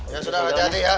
ya sudah hati hati ya